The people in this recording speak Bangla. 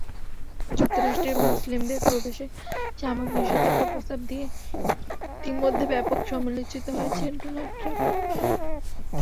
যুক্তরাষ্ট্রে মুসলিমদের প্রবেশে সাময়িক নিষেধাজ্ঞার প্রস্তাব দিয়ে ইতিমধ্যে ব্যাপক সমালোচিত হয়েছেন ডোনাল্ড ট্রাম্প।